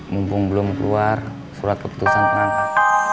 mumpung belum keluar surat keputusan penangkap